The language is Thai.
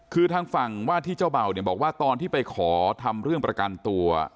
คือทางฝั่งว่าที่เจ้าเบ่าเนี่ยบอกว่าตอนที่ไปขอทำเรื่องประกันตัว